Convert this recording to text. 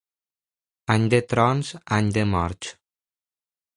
Any de trons, any de morts.